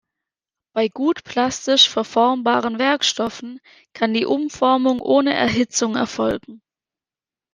Bei gut plastisch verformbaren Werkstoffen kann die Umformung ohne Erhitzung erfolgen.